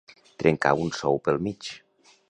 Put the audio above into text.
Trencar un sou pel mig.